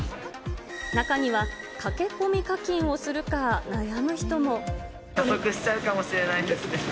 中には駆け込み課金をするか加速しちゃうかもしれないですね。